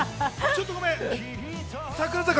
ちょっとごめん。